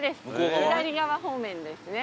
左側方面ですね。